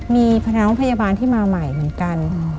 มีพนักพยาบาลที่มาใหม่เหมือนกัน